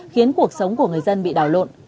khiến cuộc sống của người dân bị đảo lộn